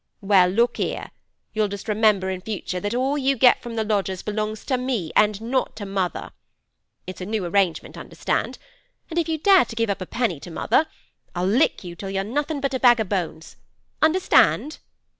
Well, look 'ere; you'll just remember in future that all you get from the lodgers belongs to me, an' not to mother. It's a new arrangement, understand. An' if you dare to give up a 'apenny to mother, I'll lick you till you're nothin' but a bag o' bones. Understand?